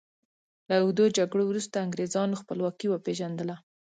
له اوږدو جګړو وروسته انګریزانو خپلواکي وپيژندله.